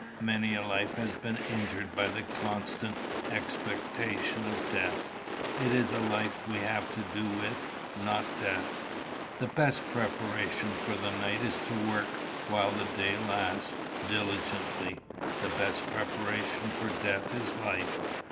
Many a life has been injured by the constant expectation of death. It is life we have to do with, not death. The best preparation for the night is to work while the day lasts, diligently. The best preparation for death is life.